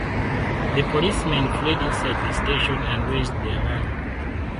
The policemen fled inside the station and raised the alarm.